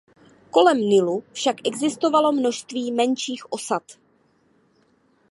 Kolem Nilu však existovalo množství menších osad.